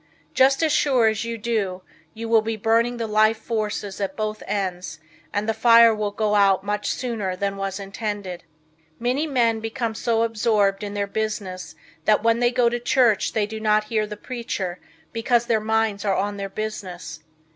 Just as sure as you do you will be burning the life forces at both ends and the fire will go out much sooner than was intended. Many men become so absorbed in their business that when they go to church they do not hear the preacher because their minds are on their business.